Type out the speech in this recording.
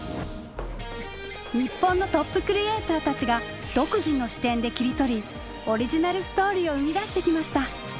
日本のトップクリエーターたちが独自の視点で切り取りオリジナルストーリーを生み出してきました。